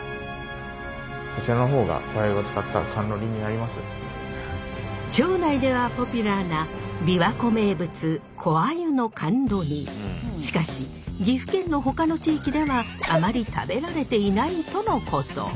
こちらの方が町内ではポピュラーな琵琶湖名物しかし岐阜県のほかの地域ではあまり食べられていないとのこと。